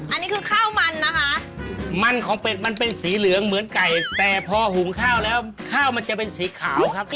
อันนี้คือข้าวมันนะคะมันของเป็ดมันเป็นสีเหลืองเหมือนไก่แต่พอหุงข้าวแล้วข้าวมันจะเป็นสีขาวครับ